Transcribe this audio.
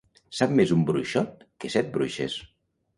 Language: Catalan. Sap més un bruixot que set bruixes.